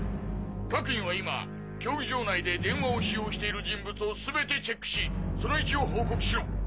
各員は今競技場内で電話を使用している人物をすべてチェックしその位置を報告しろ！